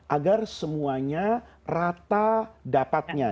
agar semuanya rata dapatnya